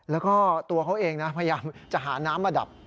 แล้วก็ตัวเขาเองนะพยายามจะหาน้ำมาดับ